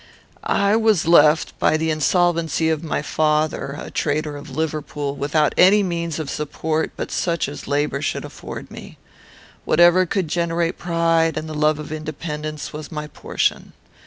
"I was left, by the insolvency of my father, (a trader of Liverpool,) without any means of support but such as labour should afford me. Whatever could generate pride, and the love of independence, was my portion.